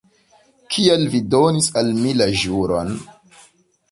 Kial vi donis al mi la ĵuron?